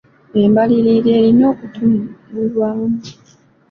Embalirira erina okutunulwamu.